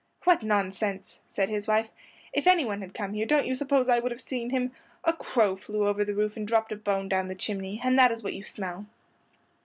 "What nonsense!" said his wife. "If anyone had come here don't you suppose I would have seen him? A crow flew over the roof and dropped a bone down the chimney, and that is what you smell."